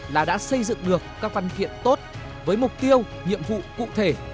là đã xây dựng được các văn kiện tốt với mục tiêu nhiệm vụ cụ thể